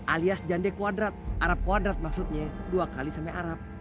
alias jande quadrat arab kuadrat maksudnya dua kali sampai arab